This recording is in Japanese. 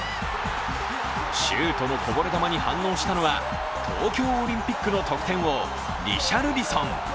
シュートのこぼれ球に反応したのは東京オリンピックの得点王、リシャルリソン。